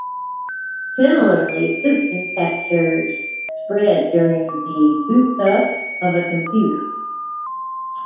Similarly, Boot infectors spread during the boot up of a computer.